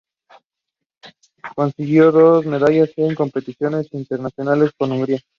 Consiguió dos medallas en competiciones internacionales con Hungría.